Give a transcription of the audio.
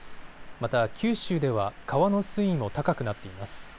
また九州では川の水位も高くなっています。